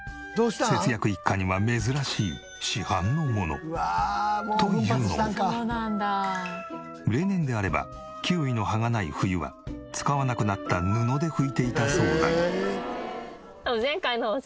節約一家には珍しい市販のもの。というのも例年であればキウイの葉がない冬は使わなくなった布で拭いていたそうだ。